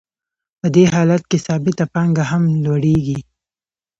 په دې حالت کې ثابته پانګه هم لوړېږي